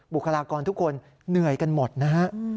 คลากรทุกคนเหนื่อยกันหมดนะฮะ